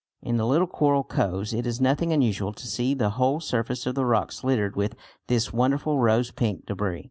In the little coral coves it is nothing unusual to see the whole surface of the rocks littered with this wonderful rose pink debris.